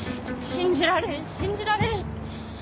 信じられん信じられん！